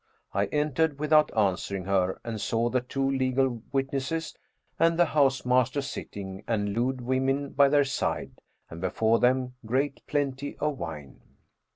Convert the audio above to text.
I entered without answering her and saw the two legal witnesses and the house master sitting, and lewd women by their side and before them great plenty of wine.